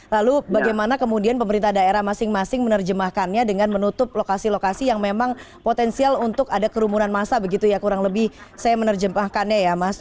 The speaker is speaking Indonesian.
lalu bagaimana kemudian pemerintah daerah masing masing menerjemahkannya dengan menutup lokasi lokasi yang memang potensial untuk ada kerumunan masa begitu ya kurang lebih saya menerjemahkannya ya mas